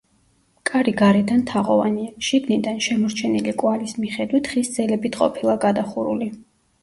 კარი გარედან თაღოვანია, შიგნიდან, შემორჩენილი კვალის მიხედვით, ხის ძელებით ყოფილა გადახურული.